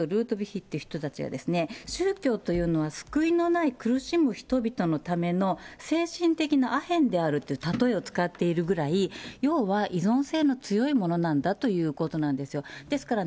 それでかつての哲学者のマルコストルートリヒという人は、宗教というのは救いのない苦しむ人々のための、精神的なアヘンであるという例えを使っているぐらい、要は依存性の強いものなんだということなんですよ。